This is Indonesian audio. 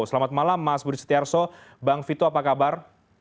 selamat malam mas budi setiarso bang vito apa kabar